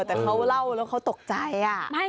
แต่เขาเล่าแล้วเขาตกใจ